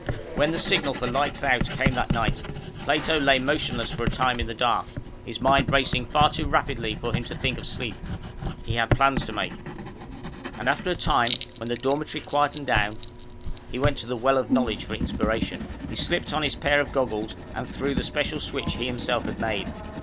When the signal for lights out came that night, Plato lay motionless for a time in the dark, his mind racing far too rapidly for him to think of sleep. He had plans to make. And after a time, when the dormitory quieted down, he went to the well of knowledge for inspiration. He slipped on his pair of goggles and threw the special switch he himself had made.